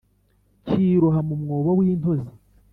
cyiroha mu mwobo w'intozi